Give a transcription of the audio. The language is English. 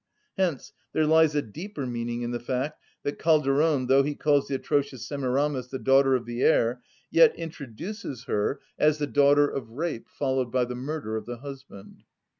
Hence there lies a deeper meaning in the fact that Calderon, though he calls the atrocious Semiramis the daughter of the air, yet introduces her as the daughter of rape followed by the murder of the husband.